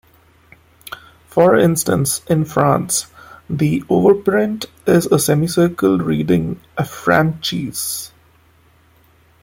For instance, in France, the overprint is a semicircle reading Affranches.